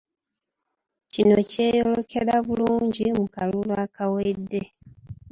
Kino kyeyolekera bulungi mu kalulu akawedde